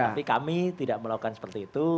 tapi kami tidak melakukan seperti itu